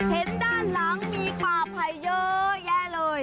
เห็นด้านหลังมีกวาภัยเยอะแยะเลย